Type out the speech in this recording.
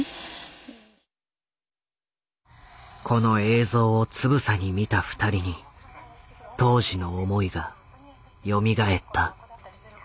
この映像をつぶさに見た２人に当時の思いがよみがえった。